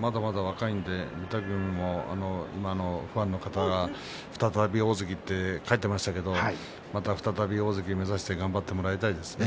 まだまだ若いので御嶽海もファンの方が再び大関にと書いてありましたけれど再び大関を目指して頑張ってほしいですね。